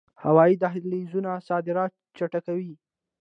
هوایی دهلیزونه صادرات چټکوي